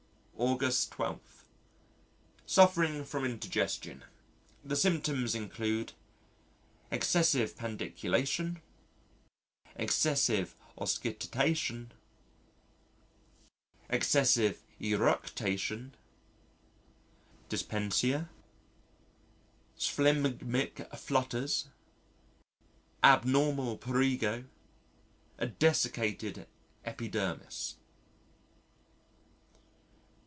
_August_12. Suffering from indigestion. The symptoms include: Excessive pandiculation, Excessive oscitation, Excessive eructation, Dyspnœa, Sphygmic flutters, Abnormal porrigo, A desiccated epidermis.